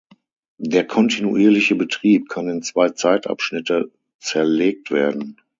Der kontinuierliche Betrieb kann in zwei Zeitabschnitte zerlegt werden.